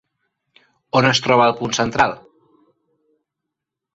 On es troba el punt central?